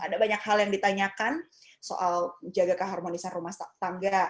ada banyak hal yang ditanyakan soal menjaga keharmonisan rumah tangga